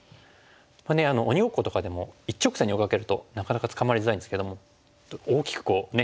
鬼ごっことかでも一直線に追いかけるとなかなか捕まりづらいんですけども大きくこうね